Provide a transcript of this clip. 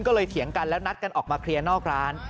ก็เลยเถียงกันแล้วนัดกันออกมาเคลียร์นอกร้าน